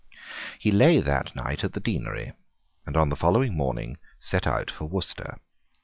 He lay that night at the deanery, and on the following morning set out for Worcester.